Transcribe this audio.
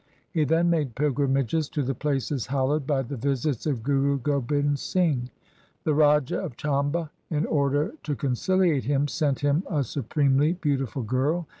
He then made pilgrimages to the places hallowed by the visits of Guru Gobind Singh. The Raja of Chamba, in order to conciliate him, sent him a supremely beautiful girl.